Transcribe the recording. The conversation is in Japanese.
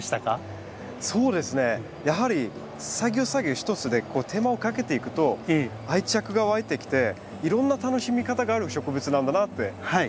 そうですねやはり作業作業一つで手間をかけていくと愛着がわいてきていろんな楽しみ方がある植物なんだなって知りました。